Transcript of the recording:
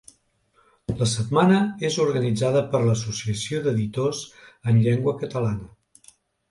La Setmana és organitzada per l’Associació d’Editors en Llengua Catalana.